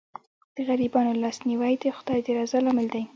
د غریبانو لاسنیوی د خدای د رضا لامل دی.